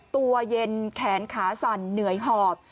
ตัวเย็นแขนขาสั่นเหนื่อยหอบ